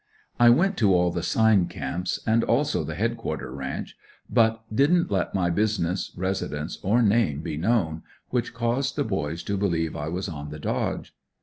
I went to all the sign camps, and also the head quarter ranch, but didn't let my business, residence or name be known, which caused the boys to believe I was "on the dodge."